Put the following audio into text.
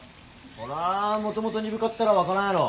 そらもともと鈍かったら分からんやろ。